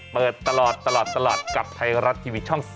เปิดตลอดตลาดกับไทยรัฐทีวีช่อง๓